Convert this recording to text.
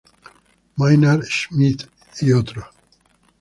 Maynard Smith et.